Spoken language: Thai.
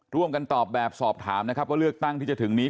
ร่วมกันตอบแบบสอบถามนะครับว่าเลือกตั้งที่จะถึงนี้